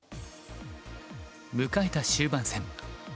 迎えた終盤戦。